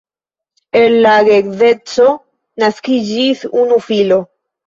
El la geedzeco naskiĝis unu filo.